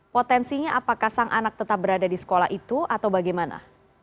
potensinya apakah sang anak tetap berada di sekolah itu atau bagaimana